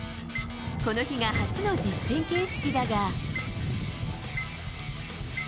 この日が初の実戦形式だが。